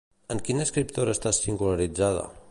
En quina escriptora està singularitzada?